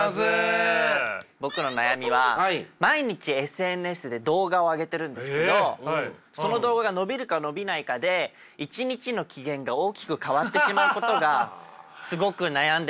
僕の悩みは毎日ＳＮＳで動画を上げてるんですけどその動画が伸びるか伸びないかで一日の機嫌が大きく変わってしまうことがすごく悩んでます。